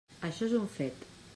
Això és un fet.